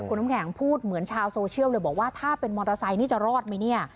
คุณน้ำแข็งพูดเหมือนชาวโซเชียลเลยบอกว่าถ้าเป็นมอเตอร์ไซค์นี่จะรอดไหมเนี่ย